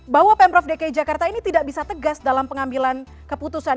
bahwa pemprov dki jakarta ini tidak bisa tegas dalam pengambilan keputusan